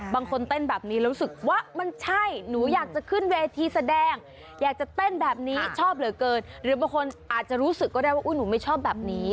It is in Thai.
บางคนเต้นแบบนี้แล้วรู้สึกว่ามันใช่หนูอยากจะขึ้นเวทีแสดงอยากจะเต้นแบบนี้ชอบเหลือเกินหรือบางคนอาจจะรู้สึกก็ได้ว่าหนูไม่ชอบแบบนี้